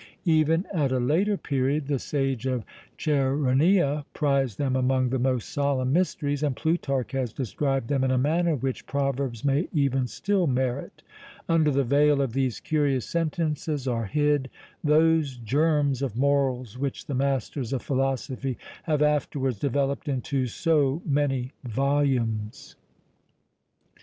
Even at a later period, the sage of Cheronea prized them among the most solemn mysteries; and Plutarch has described them in a manner which proverbs may even still merit: "Under the veil of these curious sentences are hid those germs of morals which the masters of philosophy have afterwards developed into so many volumes."